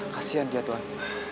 kasian dia tuan